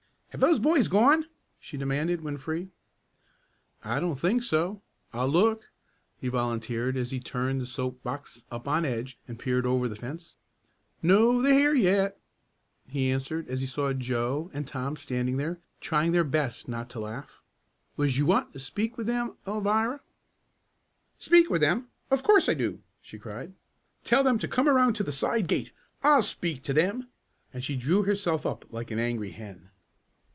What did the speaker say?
"Have those boys gone?" she demanded when free. "I don't think so. I'll look," he volunteered as he turned the soap box up on edge and peered over the fence. "No, they're here yet," he answered as he saw Joe and Tom standing there, trying their best not to laugh. "Was you wantin' to speak with 'em, Alvirah?" "Speak with them! Of course I do!" she cried. "Tell them to come around to the side gate. I'll speak to them," and she drew herself up like an angry hen.